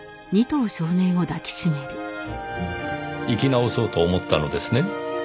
生き直そうと思ったのですね。